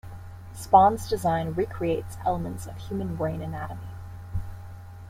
Spaun's design recreates elements of human brain anatomy.